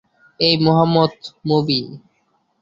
এই মোহাম্মদ মবি।